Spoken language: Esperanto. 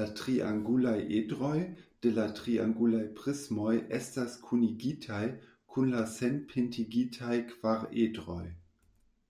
La triangulaj edroj de la triangulaj prismoj estas kunigitaj kun la senpintigitaj kvaredroj.